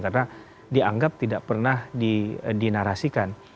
karena dianggap tidak pernah dinarasikan